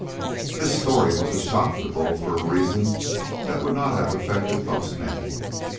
This story was a shock to Bull for a reason that would not have affected most men.